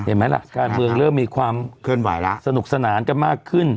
เห็นไหมล่ะการเมืองเริ่มมีความสนุกสนานกันมากขึ้น